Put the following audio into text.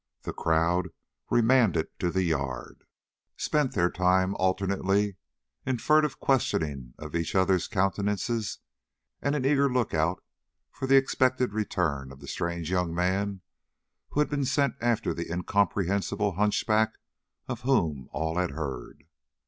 The crowd, remanded to the yard, spent their time alternately in furtive questionings of each other's countenances, and in eager look out for the expected return of the strange young man who had been sent after the incomprehensible humpback of whom all had heard.